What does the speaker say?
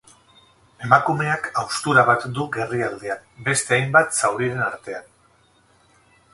Emakumeak haustura bat du gerrialdean beste hainbat zauriren artean.